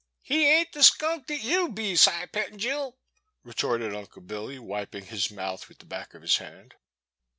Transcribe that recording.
'* He ain't the skunk that yew be, Cy Pettin gil,*' retorted Uncle Billy, wiping his mouth with the back of his hand.